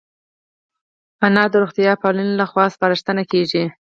انار د روغتیا پالانو له خوا سپارښتنه کېږي.